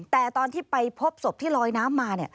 แต่ตอนที่ไปพบศพที่ลอยน้ำมา